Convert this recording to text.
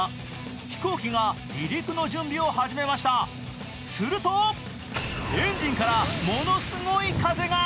飛行機が離陸の準備を始めました、するとエンジンからものすごい風が！